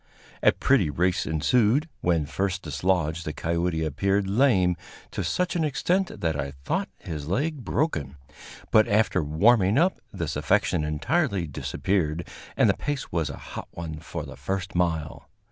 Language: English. A pretty race ensued. When first dislodged the coyote appeared lame to such an extent that I thought his leg broken; but after warming up this affection entirely disappeared, and the pace was a hot one for the first mile.